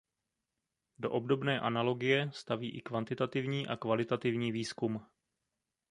Do obdobné analogie staví i kvantitativní a kvalitativní výzkum.